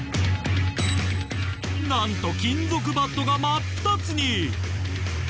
なんと金属バットが真っ二つに！